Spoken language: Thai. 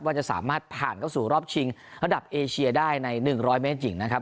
จะสามารถผ่านเข้าสู่รอบชิงระดับเอเชียได้ใน๑๐๐เมตรหญิงนะครับ